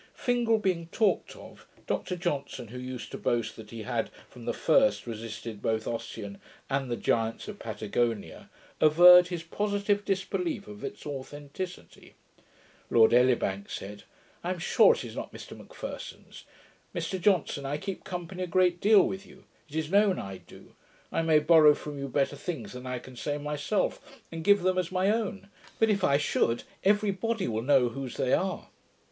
Fingal being talked of, Dr Johnson, who used to boast that he had, from the first, resisted both Ossian and the giants of Patagonia, averred his positive disbelief of its authenticity. Lord Elibank said, 'I am sure it is not McPherson's. Mr Johnson, I keep company a great deal with you; it is known I do. I may borrow from you better things than I can say myself, and give them as my own; but, if I should, every body will know whose they are.'